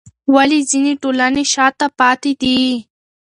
ولې ځینې ټولنې شاته پاتې دي؟